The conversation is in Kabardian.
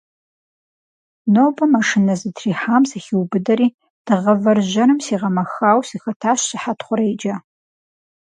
Нобэ машинэ зэтрихьам сыхиубыдэри, дыгъэ вэржьэрым сигъэмэхауэ сыхэтащ сыхьэт хъурейкӏэ.